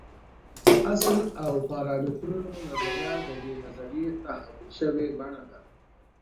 د اصل او پارامترونو نظریه د دې نظریې تحول شوې بڼه ده.